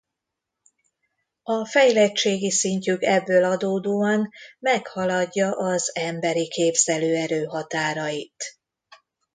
A fejlettségi szintjük ebből adódóan meghaladja az emberi képzelőerő határait.